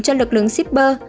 cho lực lượng shipper